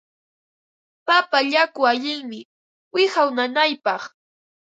Papa yaku allinmi wiqaw nanaypaq.